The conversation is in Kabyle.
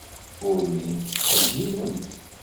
Ur llint ttqeyyilent.